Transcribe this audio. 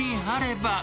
ば